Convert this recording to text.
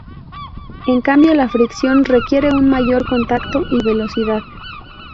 En cambio la fricción requiere un mayor contacto y velocidad.